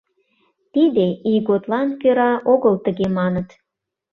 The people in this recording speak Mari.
Тиде ийготлан кӧра огыл тыге маныт.